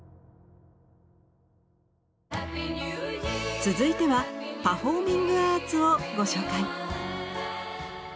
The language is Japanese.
続いてはパフォーミングアーツをご紹介。